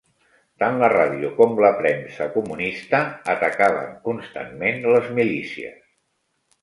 Tant la ràdio com la premsa comunista atacaven constantment les milícies